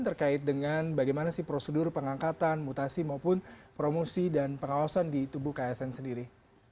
terkait dengan bagaimana sih prosedur pengangkatan mutasi maupun promosi dan pengawasan di tubuh ksn sendiri